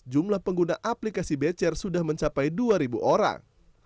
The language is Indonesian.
jumlah pengguna aplikasi bcr sudah mencapai dua orang